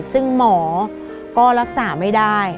ซึ่งหมอก็รักษาไม่ได้